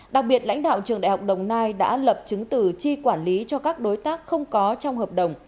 đặc biệt lãnh đạo trường đại học đồng nai đã lập chứng từ chi quản lý cho các đối tác không có trong hợp đồng